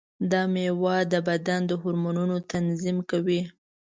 دا مېوه د بدن د هورمونونو تنظیم کوي.